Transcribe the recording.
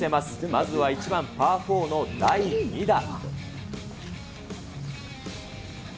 まずは１番パーフォーの第２打。